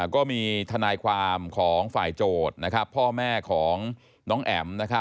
ก็มีทนายความของฝ่ายโจทย์พ่อแม่ของน้องแอ๋ม